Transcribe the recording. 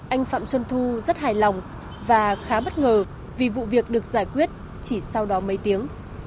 anh phạm xuân thu rất hài lòng và khá bất ngờ vì vụ việc được giải quyết chỉ sau đó mấy tiếng